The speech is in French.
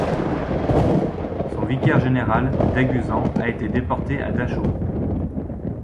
Son vicaire général, Daguzan, est déporté à Dachau.